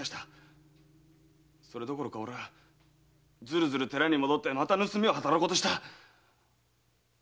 それどころかずるずる寺に戻りまた盗みを働こうとした。